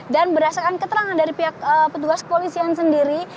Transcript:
dan berdasarkan keterangan dari pihak petugas kepolisian sendiri